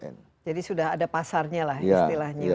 jadi sudah ada pasarnya lah istilahnya